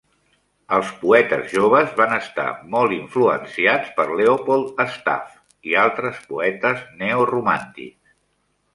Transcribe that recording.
Els poetes joves van estar molt influenciats per Leopold Staff i altres poetes neoromàntics.